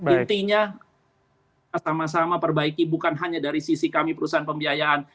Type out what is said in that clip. intinya sama sama perbaiki bukan hanya dari sisi kami perusahaan pembiayaan